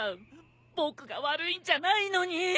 僕が悪いんじゃないのに。